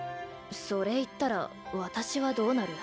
それ言ったら私はどうなる。